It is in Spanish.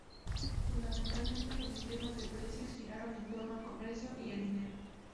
Fundamentalmente, los sistemas de precios giraron en torno al comercio y el dinero.